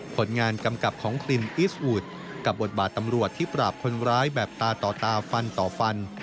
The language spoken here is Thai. ผลงานกำกับของคลินอิสวูดกับบทบาทตำรวจที่ปราบคนร้ายแบบตาต่อตาฟันต่อฟัน